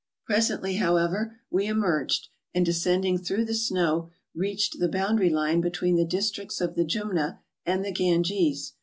Presently, however, we emerged, and descending through the snow, reached the boundary line between the districts of the Jumna and the Ganges.